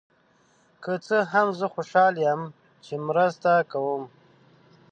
که څه هم، زه خوشحال یم چې مرسته کوم.